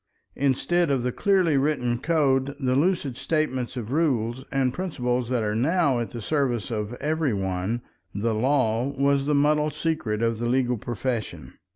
Instead of the clearly written code, the lucid statements of rules and principles that are now at the service of every one, the law was the muddle secret of the legal profession.